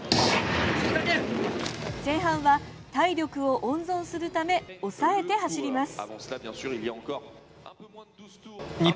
前半は体力を温存するため抑えて走ります。